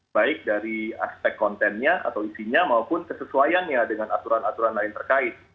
baik dari aspek kontennya atau isinya maupun kesesuaiannya dengan aturan aturan lain terkait